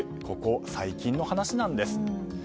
ここ最近の話なんです。